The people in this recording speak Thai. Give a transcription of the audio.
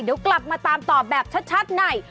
เดี๋ยวกลับมาตามตอบแบบชัดใน